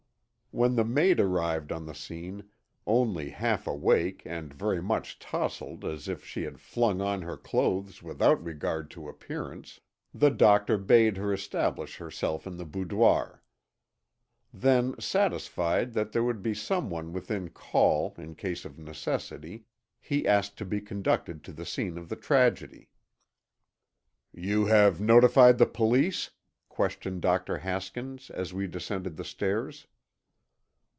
When the maid arrived on the scene, only half awake and very much tousled as if she had flung on her clothes without regard to appearance, the doctor bade her establish herself in the boudoir. Then satisfied that there would be someone within call in case of necessity, he asked to be conducted to the scene of the tragedy. "You have notified the police?" questioned Dr. Haskins as we descended the stairs.